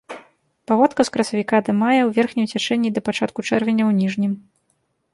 Паводка з красавіка да мая ў верхнім цячэнні і да пачатку чэрвеня ў ніжнім.